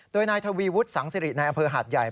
โดยนายทวีวุฒิสังสิริในอำเภอหาดใหญ่